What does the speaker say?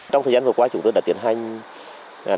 trong thời gian vừa qua chúng tôi đã tiến hành